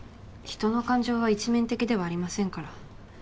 人の感情は一面的ではありませんから。